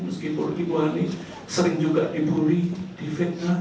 meskipun ibu ani sering juga dibully difitnah